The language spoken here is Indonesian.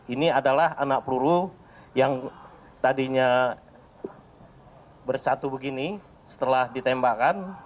ini adalah anak peluru yang tadinya bersatu begini setelah ditembakkan